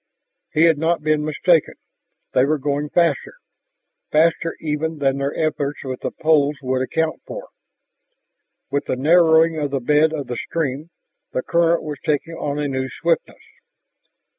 He had not been mistaken; they were going faster, faster even than their efforts with the poles would account for. With the narrowing of the bed of the stream, the current was taking on a new swiftness.